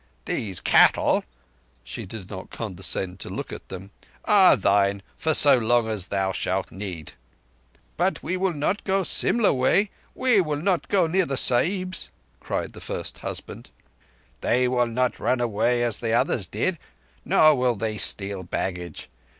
"These cattle"—she did not condescend to look at them—"are thine for so long as thou shalt need." "But we will not go Simla way. We will not go near the Sahibs," cried the first husband. "They will not run away as the others did, nor will they steal baggage.